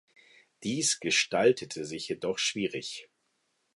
Dies gestaltete sich jedoch schwierig.